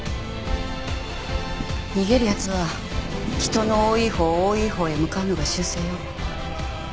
逃げる奴は人の多いほう多いほうへ向かうのが習性よ。